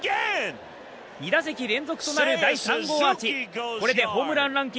２打席連続となるホームランアーチ